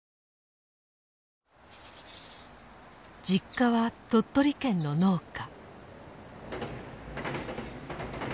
実家は鳥取県の農家。